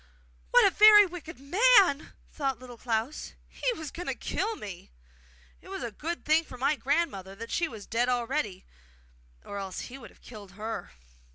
'What a very wicked man!' thought Little Klaus. 'He was going to kill me! It was a good thing for my grandmother that she was dead already, or else he would have killed her!